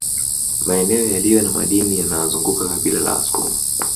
Maeneo yaliyo na madini yanawazunguka kabila la Wasukuma